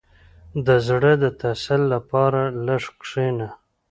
• د زړۀ د تسل لپاره لږ کښېنه.